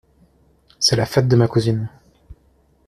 C’est la fête de ma cousine.